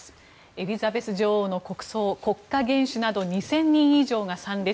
エリザベス女王の国葬国家元首など２０００人以上が参列。